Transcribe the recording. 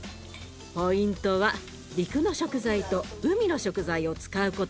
ポイントは陸の食材と海の食材を使うこと。